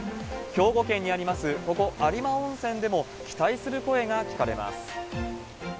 兵庫県にあります、ここ、有馬温泉でも期待する声が聞かれます。